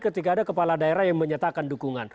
ketika ada kepala daerah yang menyatakan dukungan